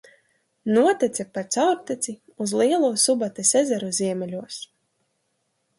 Notece pa caurteci uz Lielo Subates ezeru ziemeļos.